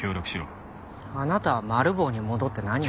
あなたはマル暴に戻って何を？